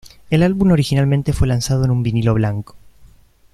El álbum originalmente fue lanzado en un vinilo blanco.